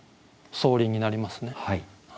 相輪になりますね。